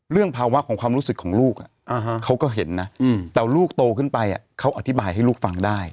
ภาวะของความรู้สึกของลูกเขาก็เห็นนะแต่ลูกโตขึ้นไปเขาอธิบายให้ลูกฟังได้